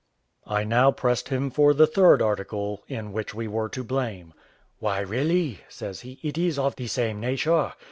I now pressed him for the third article in which we were to blame. "Why, really," says he, "it is of the same nature.